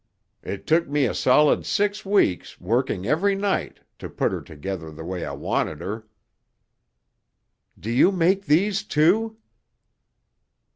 It took me a solid six weeks, working every night, to put her together the way I wanted her." "Do you make these, too?"